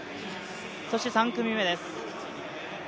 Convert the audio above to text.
そして３組目です。